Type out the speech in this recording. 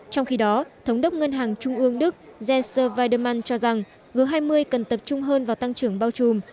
trong khi đó thống đốc ngân hàng trung ương đức genser vieman cho rằng g hai mươi cần tập trung hơn vào tăng trưởng bao trùm